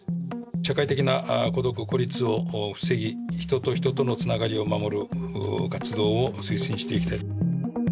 社会的な孤独・孤立を防ぎ人と人とのつながりを守る活動を推進していきたい。